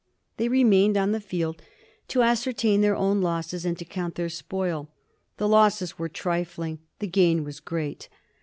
They remained on the field to ascertain their own losses and to count their spoil. The losses were trifling, the gain was great.